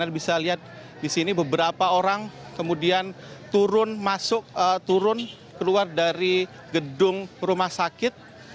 anda bisa lihat di sini beberapa orang kemudian turun keluar dari gedung rumah sakit